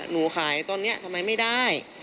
หนูขายตอนนี้ทำไมไม่ได้